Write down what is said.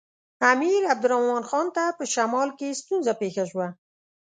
امیر عبدالرحمن خان ته په شمال کې ستونزه پېښه شوه.